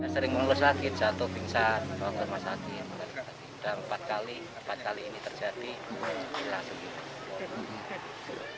sering mulut sakit satu pingsan empat kali ini terjadi